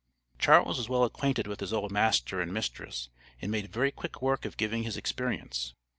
Charles was well acquainted with his old master and mistress, and made very quick work of giving his experience.